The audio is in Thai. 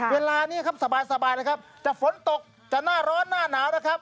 เวลานี้สบายจะฝนตกจะหน้าร้อนหน้าหนาว